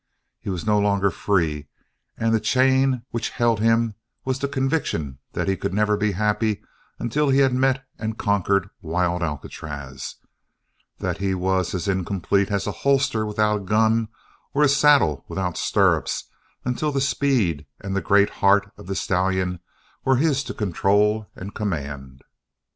He was no longer free and the chain which held him was the conviction that he could never be happy until he had met and conquered wild Alcatraz, that he was as incomplete as a holster without a gun or a saddle without stirrups until the speed and the great heart of the stallion were his to control and command.